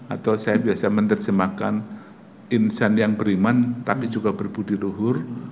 atau saya biasa menerjemahkan insan yang beriman tapi juga berbudi luhur